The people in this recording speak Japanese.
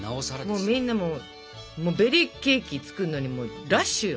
みんなもうベリーケーキ作るのにラッシュよ。